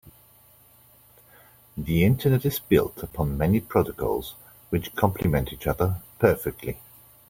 The internet is built upon many protocols which compliment each other perfectly.